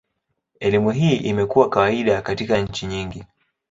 Elimu hii imekuwa kawaida katika nchi nyingi.